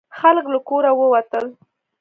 خلک له کوره ووتل.